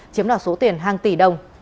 chiếm đoạt số tiền hàng tỷ đồng